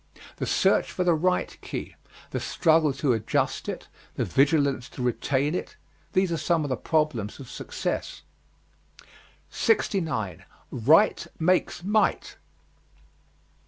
The search for the right key, the struggle to adjust it, the vigilance to retain it these are some of the problems of success. 69. RIGHT MAKES MIGHT.